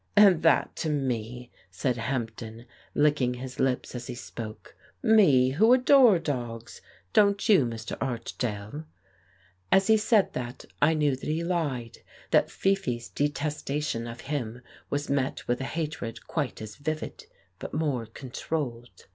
"And that to me," said Hampden, licking his lips 146 The Case of Frank Hampden as he spoke. "Me, who adore dogs. Don't you, Mr. Archdale?" As he said that I knew that he lied; that Fifi's detestation of him was met with a hatred quite as vivid but more controlled.